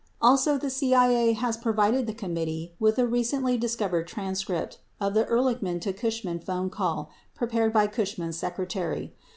92 Also, the CI A has provided the committee with a recently discovered transcript of the Ehrlichman to Cushman phone call pre pared by Cushman's secretary.